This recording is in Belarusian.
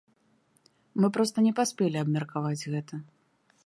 Мы проста не паспелі абмеркаваць гэта.